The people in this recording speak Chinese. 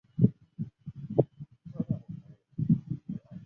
哈米尔卡决定自己扎营在南边而汉尼拔则封锁北面道路。